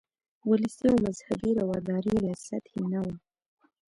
ولسي او مذهبي رواداري یې له سطحې نه وه.